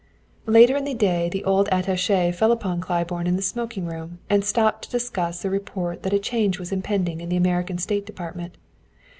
Later in the day the old attaché fell upon Claiborne in the smoking room and stopped to discuss a report that a change was impending in the American State Department.